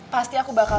pasti aku bakal